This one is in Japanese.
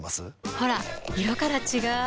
ほら色から違う！